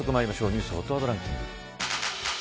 ニュースＨＯＴワードランキング。